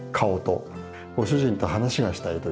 ご主人と話がしたいというか。